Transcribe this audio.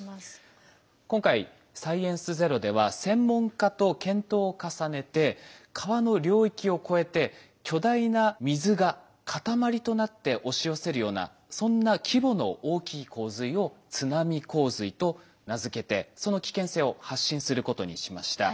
今回「サイエンスＺＥＲＯ」では専門家と検討を重ねて川の領域を超えて巨大な水が塊となって押し寄せるようなそんな規模の大きい洪水を津波洪水と名付けてその危険性を発信することにしました。